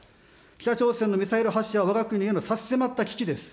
北朝鮮のミサイル発射はわが国への差し迫った危機です。